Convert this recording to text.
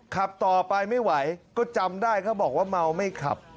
ขับต่อไปไม่ไหวก็จำได้เขาบอกว่าเมาไม่ขับ